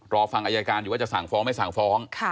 รอฟังอายการอยู่ว่าจะสั่งฟ้องไม่สั่งฟ้อง